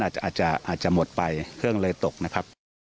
อาจจะหมดไปเครื่องเลยตกนะครับ